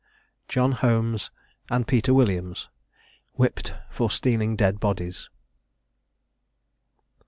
JOHN HOLMES AND PETER WILLIAMS. WHIPPED FOR STEALING DEAD BODIES.